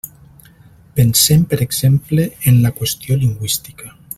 Pensem per exemple en la qüestió lingüística.